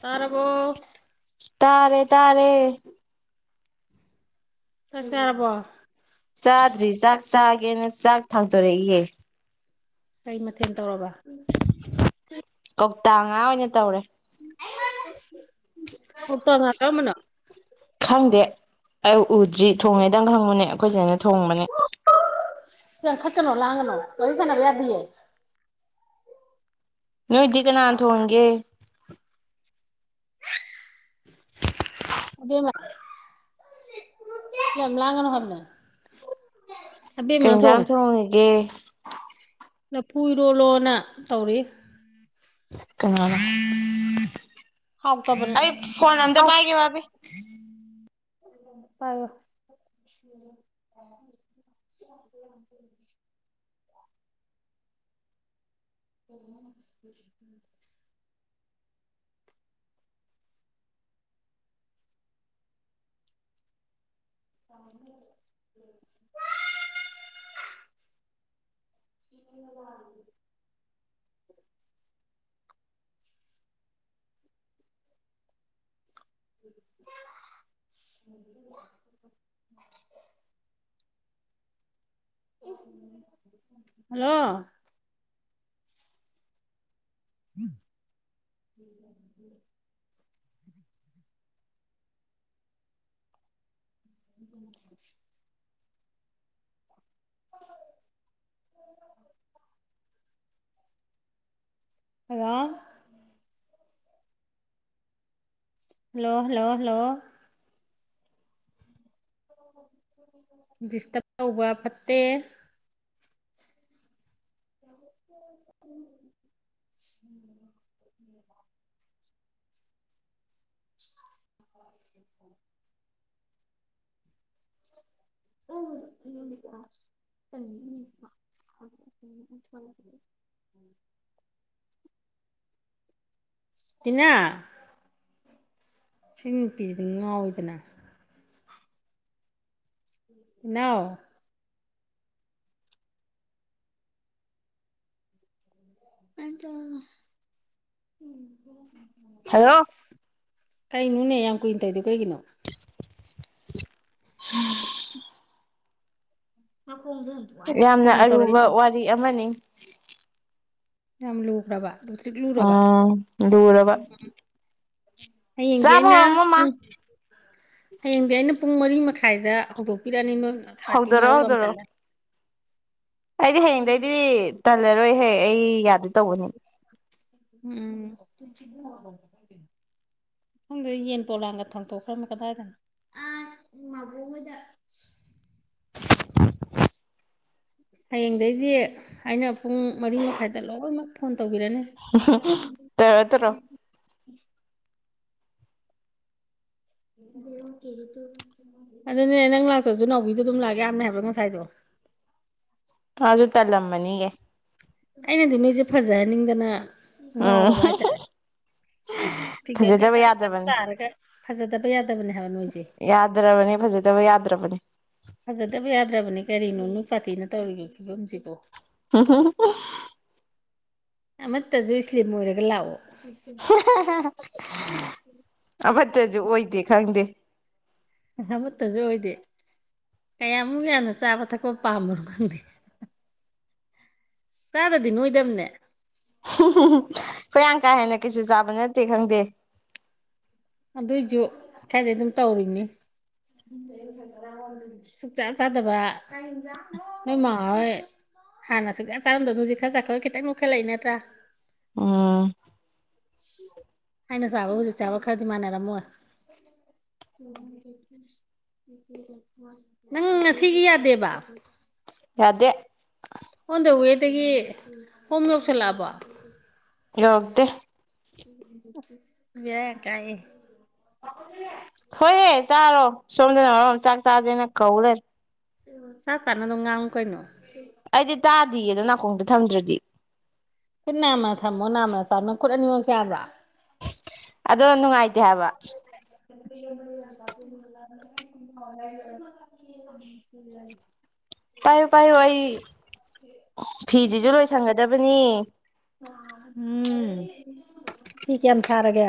ꯇꯥꯔꯕꯣ ꯇꯥꯔꯦ ꯇꯥꯔꯦ ꯆꯥꯛ ꯆꯔꯥ ꯕꯣ ꯆꯥꯗ꯭ꯔꯤ ꯆꯥꯛ ꯆꯥꯒꯦꯅ ꯆꯥꯛ ꯊꯥꯡꯗꯣꯔꯛꯏꯌꯦ ꯀꯩ ꯃꯊꯦꯜ ꯇꯧꯔꯕ ꯀꯧꯇꯥ ꯉꯥ ꯑꯣꯏꯅ ꯇꯧꯔꯦ ꯀꯧꯇꯥ ꯉꯥ ꯀꯔꯝꯕꯅꯣ ꯈꯪꯗꯦ ꯑꯩ ꯎꯗ꯭ꯔꯤ ꯊꯣꯡꯉꯦꯗꯪ ꯈꯪꯕꯅꯦ ꯑꯩꯈꯣꯏꯆꯦꯅ ꯊꯣꯡꯕꯅꯦ [unintelligible] ꯈꯠꯀꯅꯣ ꯂꯥꯡꯒꯅꯣ ꯋꯥꯔꯤ ꯁꯥꯟꯅꯕ ꯌꯥꯗꯤꯌꯦ ꯅꯣꯏꯗꯤ ꯀꯅꯥ ꯊꯣꯡꯒꯦ ꯑꯕꯦꯝꯃ ꯌꯥꯝ ꯂꯥꯡꯒꯅꫭ ꯍꯥꯏꯕꯅꯦ ꯀꯩ ꯑꯕꯦꯝꯃꯅ ꯌꯦꯟꯖꯥꯡ ꯊꯣꯡꯉꯦ ꯊꯣꯡꯉꯤꯒꯦ ꯂꯐꯨ ꯏꯔꯣꯜꯂꯣꯅ ꯇꯧꯔꯤ ꯀꯅꯥꯅꯣ ꯍꯥꯎꯇꯕꯅꯦ [unintelligible] ꯐꯣꯟ ꯑꯝꯇ ꯍꯥꯎ ꯄꯥꯏꯒꯦ ꯕꯕꯤ [inaudible] [inaudible] [inaudible] [unintelligible] [unintelligible] [unintelligible] hello [unintelligible] [inaudible] [unintelligible] hello hello hello hello ꯗꯤꯁꯇꯔꯕ ꯇꯧꯕ ꯐꯠꯇꯦ [unintelligible] [unintelligible] [unintelligible] ꯀ [unintelligible] ꯇꯅꯥ ꯁꯤ ꯅꯨꯄꯤꯁꯤ ꯉꯥꯎꯋꯤꯗꯅ [unintelligible] ꯑꯗ ꯍꯜꯂꯣ [unintelligible] ꯀꯩꯅꯣꯅꯦ ꯌꯥꯝ ꯀꯨꯏꯅ ꯇꯧꯗꯣ ꯀꯩꯒꯤꯅꯣ ꯎꯝ ꯃꯥ ꯀꯣꯡꯖꯍꯟꯗꯣ ꯌꯥꯝꯅ ꯑꯔꯨꯕ ꯋꯥꯔꯤ ꯑꯃꯅꯤ ꯌꯥꯝ ꯂꯨꯈ꯭ꯔꯕ ꯂꯇ꯭ꯔꯤꯛ ꯂꯨꯔꯕ ꯎꯝ ꯂꯨꯔꯕ ꯎꯝ ꯍꯌꯦꯡꯗꯤ ꯆꯥꯕ ꯑꯩꯅ ꯍꯧꯔꯝꯃꯣ ꯃꯥ ꯄꯨꯡ ꯍꯌꯦꯡꯗꯤ ꯑꯩꯅ ꯄꯨꯡ ꯃꯔꯤ ꯃꯈꯥꯏꯗ ꯍꯧꯗꯣꯛꯄꯤꯔꯛꯑꯅꯤ ꯅꯣꯏ ꯄꯥꯔꯇꯤ ꯍꯧꯗꯣꯔꯛꯑꯣ ꯃꯔꯧ ꯑ ꯍꯧꯗꯣꯔꯛꯑꯣ ꯑꯃꯝꯇꯜꯂ ꯑꯩꯗꯤ ꯍꯌꯦꯡꯗꯩꯗꯤ ꯇꯜꯂꯔꯣꯏꯍꯦꯛ ꯑꯩ ꯌꯥꯗꯦ ꯇꯧꯕꯅꯤ ꯎꯝ ꯁꯗ ꯌꯦꯟ ꯄꯣꯂꯥꯡꯒ ꯊꯣꯡꯗꯣꯛꯈ꯭ꯔꯅ ꯀꯗꯥꯏꯗꯅꯣ ꯑꯕꯣꯛꯉꯣꯏꯗ [unintelligible] ꯍꯌꯦꯡꯗꯩꯗꯤ ꯑꯩꯅ ꯄꯨꯡ ꯃꯔꯤ ꯃꯈꯥꯏꯗ ꯂꯣꯏꯅꯃꯛ ꯐꯣꯟ ꯇꯧꯕꯤꯔꯅꯤ ꯇ ꯇ꯭ꯔꯣ ꯑꯗꯨꯅꯦ ꯅꯪ ꯂꯥꯛꯇꯁꯨ ꯅꯥꯎꯕꯤꯗꯣ ꯑꯗꯨꯝ ꯂꯥꯛꯑꯦ ꯌꯥꯝꯃꯦ ꯍꯥꯏꯕ꯭ꯔꯣ ꯉꯁꯥꯏꯗꯣ ꯑꯗꯨꯁꯨ ꯇꯜꯂꯝꯃꯅꯤꯒ ꯑꯩꯅꯗꯤ ꯅꯣꯏꯁꯦ ꯐꯖꯍꯟꯅꯤꯡꯗꯅ ꯎꯝ ꯉꯔꯕꯕ ꯍꯥꯏ ꯇꯔꯦ ꯊꯤꯒ ꯀꯦ ꯐꯖꯗꯕ ꯇ ꯌꯥꯗꯕꯅꯤ ꯇꯔ ꯀꯦ ꯐꯖꯗꯕ ꯌꯥꯗꯕꯅꯦ ꯍꯥꯏꯕ ꯅꯣꯏꯁꯦ ꯌꯥꯗ꯭ꯔꯕꯅꯤ ꯐꯖꯗꯕ ꯌꯥꯗ꯭ꯔꯕꯅꯤ ꯐꯖꯗꯕ ꯌꯥꯗ꯭ꯔꯕꯅꯤ ꯀꯔꯤꯅꯣ ꯅꯨꯄꯥꯥꯇꯤꯅ ꯇꯧꯔꯤꯕ ꯐꯤꯕꯝꯁꯤꯕꯣ ꯍꯝ ꯍ ꯃꯁꯨ ꯏꯁꯂꯤꯔꯒ ꯂꯥꯎꯑꯣ ꯑꯐꯠꯇꯁꯨ ꯑꯣꯏꯗꯦ ꯈꯪꯗꯦ ꯑꯃꯠꯇꯁꯨ ꯑꯣꯏꯗꯦ ꯀꯌꯥꯃꯨꯛ ꯌꯥꯝꯅ ꯆꯥꯕ ꯊꯛꯄ ꯄꯥꯝꯃꯅꯣ ꯈꯪꯗꯦ ꯇꯥꯗꯗꯤ ꯅꯣꯏꯗꯝꯕꯅꯦ ꯀꯣꯏꯌꯥꯝ ꯀꯥ ꯍꯦꯟꯅ ꯀꯩꯁꯨ ꯆꯥꯕ ꯅꯠꯇꯦ ꯈꯪꯗꯦ ꯑꯗꯨꯏꯁꯨ ꯈꯔꯗꯤ ꯑꯗꯨꯝ ꯇꯧꯔꯤꯅꯤ ꯁꯨꯆꯥꯥ ꯆꯥꯗꯕ ꯅꯣꯏꯃ ꯍꯣꯏ ꯍꯥꯟꯅꯁꯨꯛ ꯆꯥꯔꯝꯗꯅꯣꯖꯤꯛ ꯈꯔ ꯆ ꯈꯔ ꯈꯤꯇꯪ ꯅꯨꯈꯠꯂꯛꯏ ꯅ꯭ꯔꯥ ꯎꯝ ꯍꯥꯏꯅꯁꯨꯕꯒ ꯆꯕ ꯀꯗꯤ ꯃꯥꯅꯦꯔ ꯃ ꯅꯪ ꯉꯁꯤꯒꯤ ꯌꯥꯗꯦꯕ ꯌꯥꯗꯦ ꯑꯣꯟ ꯗ ꯋꯦꯗꯒꯤ ꯍꯣꯝ ꯌꯧꯁꯤꯜꯂꯛꯑꯕ ꯗꯤꯦ ꯌꯥ ꯀꯑ ꯍꯣꯏꯍꯦ ꯆꯥꯔꯣ ꯁꯣꯝꯗꯅ ꯃꯔꯣ ꯆꯥꯛ ꯆꯥꯥꯁꯦꯅ ꯀꯧ ꯂꯩꯔꯦ ꯆꯥ ꯆꯥꯅꯗ ꯉ ꯀꯩꯅꯣ ꯑꯩꯗꯤ ꯇꯥꯗꯤꯌꯦ ꯅꯪ ꯅꯀꯣꯡꯗ ꯊꯝꯗ꯭ꯔꯗꯤ ꯈꯨꯠ ꯅꯥꯃ ꯊꯝꯃꯣ ꯅꯥꯃ ꯇꯥꯅꯧ ꯈꯨꯠ ꯑꯅꯤꯃꯛꯁꯦ ꯌꯥꯕ꯭ꯔꯣ ꯑꯗꯣ ꯅꯨꯡꯉꯥꯏꯇꯦ ꯍꯥꯏꯕ ꯥ [inaudible] [unintelligible] [inaudible] ꯄꯥꯏꯌꯨ ꯄꯥꯏꯌꯨ ꯑꯩ ꯐꯤꯁꯤꯁꯨ ꯂꯣꯏꯁꯟꯒꯗꯕꯅꯤ ꯎꯝ ꯐꯤ ꯀꯌꯥꯝ ꯁꯥꯔꯒꯦ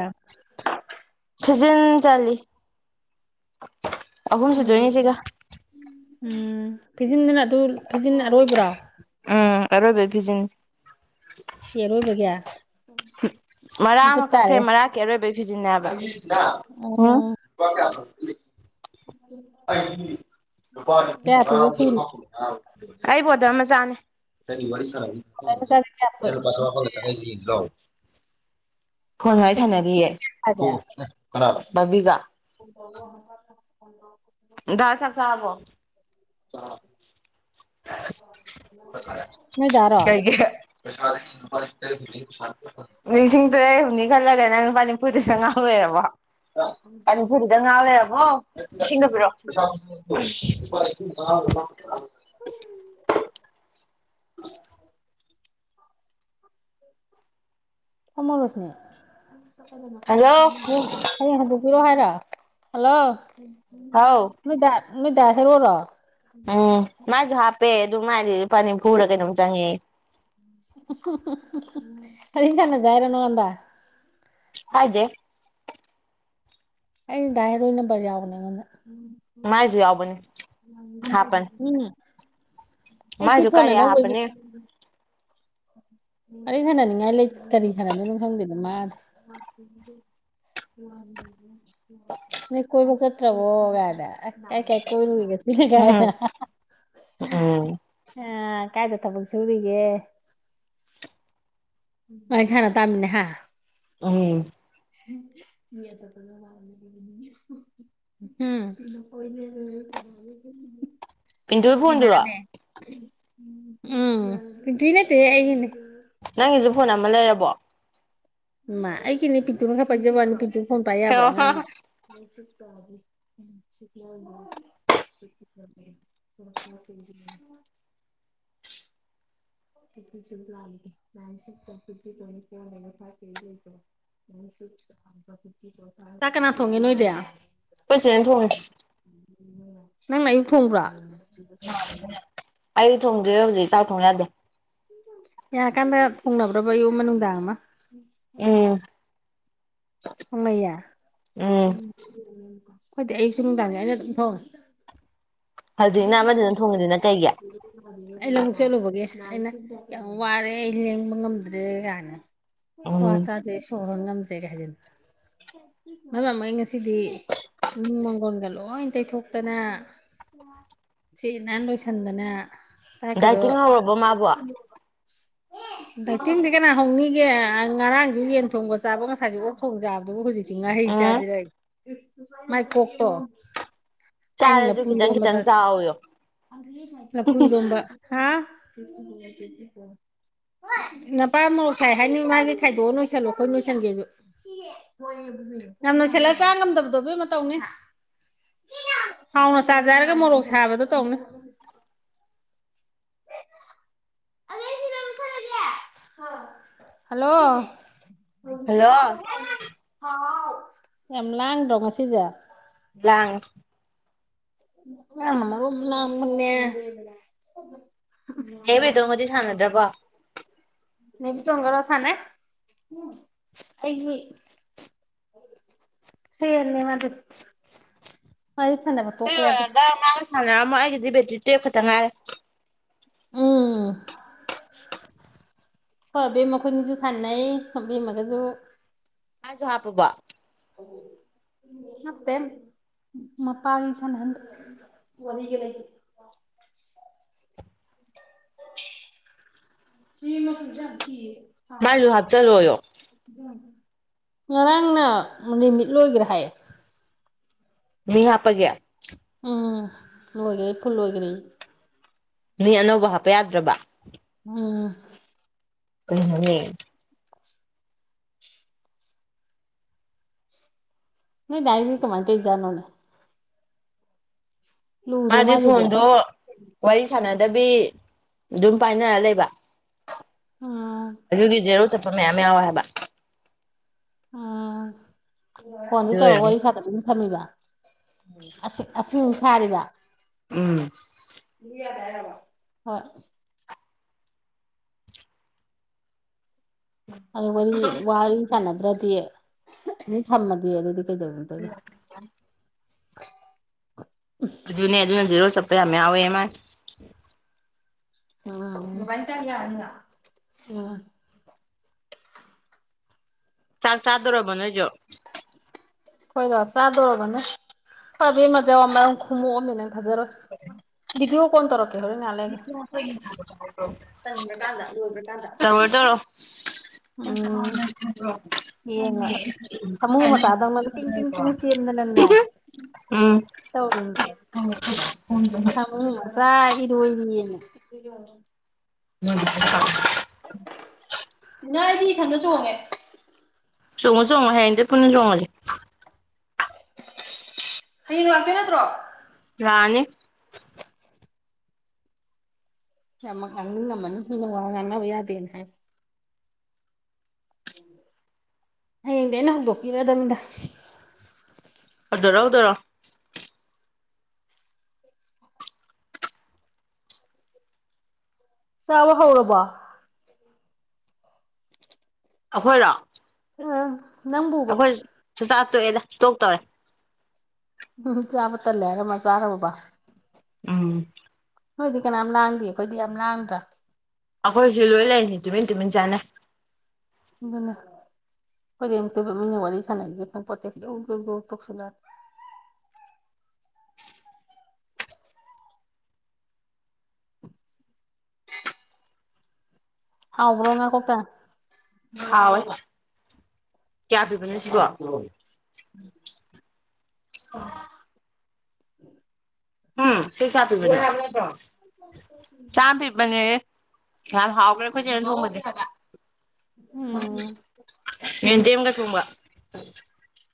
ꯐꯤꯖꯤꯟ ꯆꯂꯤ ꯎꯝ ꯎꯝ ꯎꯝ ꯐꯤꯖꯤꯟꯗꯅ ꯑꯗꯨ ꯐꯤꯖꯤꯟ ꯑꯔꯣꯏꯕ꯭ꯔꯣ ꯎꯝ ꯑꯔꯣꯏꯕꯩ ꯐꯤꯖꯤꯟꯁꯦ ꯏꯔꯣꯏꯕꯒ ꯃꯔꯥ ꯑꯃ ꯀꯛꯈ꯭ꯔꯦ ꯃꯔꯛꯀꯤ ꯑꯔꯣꯏꯕꯒꯤ ꯐꯤꯖꯤꯟꯅꯕ ꯑꯣ ꯎꯝ ꯎ ꯑꯩ ꯅꯨꯄꯥ ꯅꯨꯊꯧ ꯐꯤꯅꯣ ꯅꯨꯡꯉꯕꯔꯨꯞꯕ ꯀꯅꯨꯡꯉ ꯑꯩꯕꯨꯗ ꯃꯆꯥꯅꯦ ꯈꯣꯡꯒ꯭ꯔꯥꯏ ꯃꯆꯥꯁꯦ ꯀꯌꯥ ꯅꯂ ꯄꯁ ꯋꯥꯄꯒ ꯆꯪꯉꯥꯏꯗꯤ ꯂꯣ ꯐꯣꯟ ꯋꯥꯔꯤ ꯁꯥꯟꯅꯔꯤꯌꯦ ꯁꯥꯒꯦ ꯕꯕꯤꯒ [unintelligible] ꯗꯥ ꯆꯥꯛ ꯆꯥꯔꯕꯣ ꯆꯥ ꯅꯣꯏꯗꯥꯔꯣ ꯀꯩꯒꯤ ꯂꯤꯁꯤꯡ ꯇꯔꯦꯠ ꯐꯪꯅꯤ ꯈꯜꯂꯒ ꯅꯪ ꯂꯨꯄꯥ ꯅꯤꯐꯨ ꯗ ꯆꯪꯒꯝ ꯂꯩꯔꯕ ꯅꯪ ꯉꯥꯎ ꯂꯩꯔꯕꯣ ꯏꯁꯤꯡꯒ ꯄꯤꯔꯛꯑꯣ [inaudible] [unintelligible] [inaudible] ꯐꯝꯃꯣ ꯔꯣꯁꯅꯤ ꯍꯜꯂꯣ [unintelligible] ꯍꯥꯏꯔꯣ ꯍꯜꯂꯣ [inaudible] ꯅꯣꯏ ꯗꯥ ꯅꯣꯏ ꯗꯥ ꯍꯥꯏꯔꯣꯔꯣ ꯎꯝ ꯃꯥꯁꯨ ꯍꯥꯞꯄꯦ ꯑꯗꯨ ꯃꯥꯏꯗꯤ ꯂꯨꯄꯥ ꯅꯤꯐꯨꯨꯔ ꯀꯩꯅꯣꯝ ꯆꯪꯉꯦꯌꯦ [unintelligible] ꯅꯪꯉꯣꯟꯗ ꯍꯥꯏ ꯑꯩ ꯗꯥ ꯍꯦꯔꯣꯏ ꯅꯝꯕꯔ ꯌꯥꯎꯕꯅꯦ ꯑꯩꯉꯣꯟꯗ ꯃꯥꯥꯏꯖꯨ ꯌꯥꯎꯕꯅꯤ ꯍꯥꯥꯄꯅꯤ [inaudible] ꯑꯩ ꯁꯤ ꯃꯥꯏꯁꯨ ꯐꯣꯟ ꯀꯥꯔꯌꯥ ꯑꯅꯧꯕꯒꯤ ꯍꯥꯞꯄꯅꯦ ꯋꯥꯔꯤ ꯁꯅꯅꯤꯡꯉꯥꯏ ꯂꯩ ꯀꯔꯤ ꯁꯥꯅꯗꯣꯏꯅꯣ ꯈꯪꯗ꯭ꯔꯦꯗ ꯃꯥꯁꯦ ꯎ ꯅꯪ ꯀꯣꯏꯕ ꯆꯠꯇ꯭ꯔꯕꯣ ꯒꯩꯅ ꯑꯩ ꯀꯩ ꯀꯣꯏꯔꯨꯒꯦ ꯎꯝ ꯎꯝ ꯑ ꯀꯥꯏꯗ ꯊꯕꯛ ꯁꯨꯔꯤꯒꯦ [unintelligible] ꯇꯥꯃꯤꯅꯦ ꯍꯥ ꯎꯝ [unintelligible] ꯎꯝ ꯄꯤꯟꯇꯨꯒꯤ ꯐꯣꯟꯗꯨꯔꯣ ꯀꯤꯅꯅꯦ ꯄꯤꯊ꯭ꯔꯤꯕꯤ ꯅꯠꯇꯦꯍꯦ ꯑꯩ ꯅꯤ ꯅꯪꯒꯤꯁꯨ ꯐꯣꯟ ꯑꯃ ꯂꯩꯔꯕꯣ [unintelligible] ꯐꯣꯟ ꯄꯥꯏ ꯌꯥꯕ꯭ꯔꯣ ꯑꯣ ꯑꯉꯥꯡꯅ ꯑꯩꯈꯣꯏ [unintelligible] [unintelligible] [unintelligible] ꯇ ꯀꯅꯥ ꯊꯣꯡꯒꯦꯅꯗꯌꯥ ꯐꯩꯁꯅ ꯊꯣꯡꯉꯦ ꯅꯪꯉꯏꯡ ꯊꯣꯡꯕ꯭ꯔꯥ ꯑꯩ ꯊꯣꯡꯖꯦ ꯍꯧꯖꯤꯛ ꯆꯥꯛ ꯊꯣꯡ ꯌꯥꯗꯦ ꯌꯥꯔꯀꯥꯟꯗ ꯊꯣꯡꯅꯕ꯭ꯔꯕ ꯌꯌꯨꯝ ꯅꯨꯡꯗꯥꯡ ꯑꯃ ꯎꯝ ꯊꯣꯡꯅꯩꯌꯦ ꯎꯝ ꯑꯩꯣꯏꯗꯤ ꯑꯌꯨꯛ ꯁꯨꯡ ꯅꯨꯡꯗꯥꯡꯅꯦ ꯑꯩꯅ ꯑꯗꯨꯝ ꯊꯣꯡꯉꯦ ꯍꯧꯖꯤꯛꯅ ꯑꯃꯗꯨꯅ ꯊꯣꯡꯉꯤꯁꯤꯅ ꯀꯩꯒꯤ ꯑꯩ ꯂꯧꯕꯨꯛ ꯆꯠꯂꯨꯕꯒꯦ ꯑꯩꯅ ꯌꯥꯝ ꯋꯥꯔꯦ ꯑꯩ ꯂꯦꯡꯕ ꯉꯝꯗ꯭ꯔꯦ ꯀꯥꯏꯅ ꯀ꯭ꯋꯥ ꯎꯝ ꯆꯥꯗꯦ ꯁꯣꯔ ꯍꯣꯟ ꯉꯝꯗꯦ ꯍꯥꯏꯖꯤꯟꯕ [unintelligible] ꯉꯁꯤꯗꯤ ꯃꯪꯒꯣꯟꯒ ꯂꯣꯏ ꯇꯩꯊꯣꯛꯇꯅ ꯁꯤꯠ ꯅꯟꯅ ꯂꯣꯏꯁꯟꯗꯅ ꯗꯥꯏꯇꯤꯡ ꯍꯧꯔꯕꯣ ꯃꯥꯕꯣ ꯗꯥꯏꯇꯤꯡꯗꯤ ꯀꯅꯥ ꯍꯧꯅꯤꯒꯦ ꯉꯔꯥꯡꯁꯨ ꯌꯦꯟ ꯊꯣꯡꯕ ꯆꯥꯕ ꯉꯁꯥꯏꯁꯨ ꯑꯣꯛ ꯆꯥꯕꯗꯨꯕꯨ ꯍꯧꯖꯤꯛꯇꯤ ꯉꯥꯍꯩ ꯎꯝ ꯆꯥꯖꯔꯩ ꯃꯥꯏ ꯀꯣꯛꯇꯣ ꯑꯩꯅ ꯆꯥꯔꯁꯨ ꯂꯥꯐꯨ ꯈꯤꯇꯪ ꯏꯔꯣꯝꯕ ꯈꯤꯇꯪ ꯆꯥꯎꯌꯣ ꯂꯥꯐꯨ ꯏꯔꯣꯝꯕ ꯍꯥ ꯅꯄꯥ ꯑꯃꯣꯁꯥꯏ ꯍꯥꯏꯅꯤ ꯃꯥꯒꯤ ꯈꯥꯏꯗꯣꯛꯑꯣ ꯂꯣꯏꯁꯜꯂꯣ ꯑꯩꯈꯣꯏ ꯂꯣꯏꯁꯟꯒꯦꯁꯨ ꯌꯥꯝ ꯂꯣꯏꯁꯤꯜꯂ ꯆꯥ ꯉꯝꯗꯕꯗꯣ ꯃꯇꯧꯅꯦ ꯍꯥꯎꯅ ꯆꯥꯖꯔꯒ ꯃꯣꯔꯣꯛ ꯁꯥꯕꯗꯣ ꯇꯧꯅꯤ ꯍꯜꯂꯣ ꯍꯜꯂꯣ ꯌꯥꯝ ꯂꯥꯡꯗꯉ ꯁꯤꯖ ꯂꯥꯡ ꯃ ꯂꯟꯅꯦ ꯅꯕꯦꯗꯣꯃꯗꯤ ꯁꯥꯟꯅꯗ꯭ꯔꯕꯣ ꯅꯁꯨ ꯗꯣꯡꯒꯔꯁꯅ ꯑꯩ ꯃꯤ ꯁꯤ ꯑꯂꯦ ꯃꯥ ꯍꯥꯏꯥꯏ ꯊꯅꯦ ꯁꯤ ꯂꯣꯏꯔꯒ ꯉꯥꯡꯒ ꯁꯥꯟꯅꯔꯝꯃꯣ ꯑꯩꯒꯤꯗꯤ ꯕꯦꯇ꯭ꯔꯤ ꯇꯨꯌꯦꯞ ꯈꯛꯇ ꯉꯥꯏꯔꯦ ꯎꯝ ꯍꯣꯏ ꯕꯦꯝ ꯃꯈꯣꯏꯅꯁꯨ ꯁꯥꯟꯅꯩ ꯕꯦꯝꯃꯒꯁꯨ ꯑꯁꯨ ꯍꯥꯞꯄꯕꯣ ꯃꯠꯇꯦ ꯃꯄꯒꯤ ꯁꯥꯟ ꯍꯗ ꯃꯅꯤꯒꯦ ꯂꯩꯥꯏ ꯁꯤ ꯃ ꯁꯖꯥꯈꯤ ꯃꯥꯁꯨ ꯍꯥꯞꯆꯜꯔꯣꯏꯣ ꯉꯔꯥꯡꯅ ꯅꯨꯃꯤꯠ ꯂꯣꯏꯒꯦꯔꯦ ꯍꯥꯏꯌꯦ ꯃꯤ ꯍꯥꯄꯒꯦ ꯎꯝ ꯂꯣꯏꯈꯔꯦ ꯑꯩ ꯐꯨꯜ ꯂꯣꯏꯒꯔꯦ ꯃꯤ ꯑꯅꯧꯕ ꯍꯥꯞꯄ ꯌꯥꯗ꯭ꯔꯕ ꯎꯝ ꯎꯅꯤ ꯅ ꯗꯥꯏꯔꯤ ꯀꯃꯥꯏꯇꯩꯖꯥꯨꯅꯦ ꯂꯨꯗ꯭ꯔꯣ ꯃꯥꯗꯤ ꯃꯥꯏꯗꯨꯗꯤ ꯐꯗꯣ ꯋꯥꯔꯤ ꯁꯥꯟꯅꯗꯕꯤ ꯑꯗꯨꯝ ꯄꯥꯏꯅꯔ ꯂꯩꯕ ꯎꯝ ꯑꯗꯨꯗꯤ ꯖꯦꯔꯣ ꯆꯠꯄ ꯃꯌꯥꯝ ꯌꯥꯎꯋ ꯍꯥꯏꯕ ꯎꯝ ꯐꯣꯟꯗꯤ ꯑꯗꯨ ꯇꯧꯔꯒ ꯑꯣꯏꯔꯝꯅꯤ ꯋꯥꯔꯤ ꯁꯥꯇꯕꯅ ꯊꯝꯃꯤꯕ ꯑ ꯑ ꯁꯥꯔꯤꯕ ꯎꯝ ꯍꯣꯏ ꯑ ꯋꯥꯔꯤ ꯁꯥꯟꯅꯗ꯭ꯔꯗꯤ ꯑꯗꯨꯝ ꯁꯝꯃꯗꯤ ꯑꯗꯨꯗꯤ ꯀꯩꯗꯧꯅ ꯇꯣꯏꯣ ꯑꯗꯨꯅꯦ ꯑꯗꯨꯅ ꯖꯦꯔꯣ ꯆꯠꯄ ꯌꯥꯝ ꯌꯥꯎꯋꯦ ꯃꯥꯃ ꯟꯇꯌꯥ ꯎ ꯆꯥꯛ ꯆꯥꯗꯣꯔꯔꯕ ꯅꯣꯏꯁꯨ ꯑꯩꯈꯣꯏꯗꯣ ꯆꯥꯗꯣꯔꯔꯕꯅꯦ ꯐꯕꯤꯦꯝ ꯃꯇꯆ ꯃꯔꯝ ꯈꯨꯝꯃꯣꯛꯑꯝꯃꯤ ꯅꯪ ꯐꯖꯔꯣꯏ [inaudible] ꯕꯤꯙꯤꯌꯣ ꯀꯣꯟ ꯇꯧꯔꯛꯀꯦ ꯍꯧꯔꯦꯟ ꯉꯥꯏꯍꯥꯛ ꯇꯔꯣ ꯇꯧꯔꯣ ꯎꯝ ꯌꯦꯡꯉꯣ ꯑꯁ ꯁꯥꯃꯨ [inaudible] ꯎꯝ ꯇꯧꯔꯨꯅꯨ [unintelligible] [unintelligible] ꯎꯝ ꯅꯪ ꯁꯤ ꯈꯟꯗ ꯆꯣꯡꯉꯦ ꯆꯣꯡꯉꯣ ꯆꯣꯡꯉꯣ ꯍꯌꯦꯡꯗꯩ ꯄꯨꯨꯡꯅ ꯆꯣꯡꯉꯖꯤ ꯍꯌꯦꯡ ꯂꯥꯛꯇꯣꯏ ꯅꯠꯇ꯭ꯔꯣ ꯔꯅꯤ ꯌꯥꯝꯃ ꯍꯥꯡꯅꯤꯡꯉꯝꯃꯅꯤ ꯃꯤꯅ ꯋꯥ‌ ꯉꯥꯡꯅꯕ ꯌꯥꯗꯦꯅ ꯍꯥꯏ ꯍꯌꯦꯡꯗꯤ ꯑꯩꯅ ꯍꯧꯗꯣꯛꯄꯤꯔꯛꯗꯕꯅꯤꯗ ꯑꯗꯨ ꯂꯧꯗꯔꯣ ꯆꯥꯕ ꯍꯧꯔꯕꯣ ꯑꯩꯈꯣꯏꯔꯣ ꯎꯝ ꯅꯪꯕꯨꯕ ꯑꯩꯈꯣꯏ ꯁꯨꯆꯥꯥ ꯇꯣꯛꯑꯦꯗ ꯇꯣꯛ ꯇꯧꯔꯦ ꯍꯨꯝꯍꯨꯝ ꯆꯥꯕ ꯇꯜꯂꯦ ꯍꯥꯏꯔ ꯃꯥ ꯆꯥꯒꯔꯕꯕ ꯎꯝ ꯅꯣꯏꯗꯤ ꯀꯅꯥ ꯂꯥꯡꯗꯦ ꯑꯩꯈꯣꯏꯗꯤ ꯌꯥꯝ ꯂꯥꯡꯗ꯭ꯔꯥ ꯑꯩꯈꯣꯏꯁꯨ ꯂꯣꯏ ꯂꯩꯔꯤꯅꯤ ꯇꯨꯃꯤꯟ ꯇꯨꯃꯤꯟ ꯆꯥꯅꯩ ꯑꯗꯨꯅ ꯑꯩꯈꯣꯏꯗꯤ ꯑꯃꯨꯛꯇꯣꯏꯕ ꯃꯤꯅ ꯋꯥꯔꯤ ꯁꯥꯟꯅꯩꯒ ꯈꯪꯄꯣꯠꯇꯦ ꯌꯧ ꯌꯧ ꯌꯧ ꯇꯧꯁꯤꯜꯂꯛꯑ ꯍꯥꯎꯕ꯭ꯔꯣ ꯉꯥ ꯀꯧꯇꯥ ꯍꯥꯎꯋꯦ ꯀꯌꯥ ꯄꯤꯕꯅ ꯁꯤꯕꯣ ꯑꯣ [inaudible] ꯎꯝ ꯊꯀ ꯍꯥꯄꯤ ꯆꯥꯝ ꯄꯤꯕꯅꯦꯌꯦ ꯌꯥꯝ ꯍꯥꯎꯈ꯭ꯔꯦ ꯑꯈꯣꯏꯆꯦꯅ ꯊꯣꯡꯕꯖꯦ ꯎꯝ ꯌꯦꯇꯦꯃꯒ ꯊꯣꯡꯝꯕ